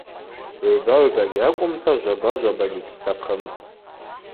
Гӏвба-гӏвба гьакӏвымта жваба-жвабагьи гьстахъым.